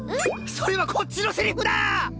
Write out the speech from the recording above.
それはこっちのセリフだー！